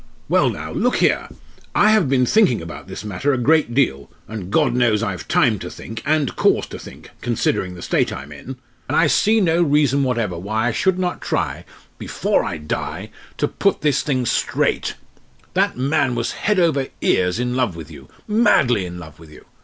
"Well, now look here! I have been thinking about this matter a great deal and God knows I've time to think and cause to think, considering the state I'm in and I see no reason whatever why I should not try before I die to put this thing straight. That man was head over ears in love with you, madly in love with you.